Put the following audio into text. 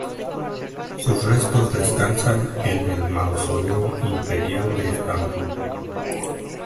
Sus restos descansan en el mausoleo imperial de Estambul.